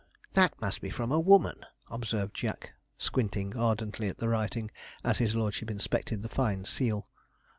'That must be from a woman,' observed Jack, squinting ardently at the writing, as his lordship inspected the fine seal.